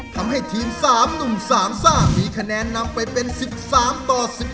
ทำให้ทีม๓หนุ่ม๓ซ่ามีคะแนนนำไปเป็น๑๓ต่อ๑๑